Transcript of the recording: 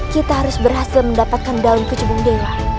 kita harus berhasil mendapatkan daun kecubung dewa